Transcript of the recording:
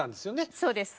そうです。